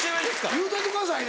言うたってくださいね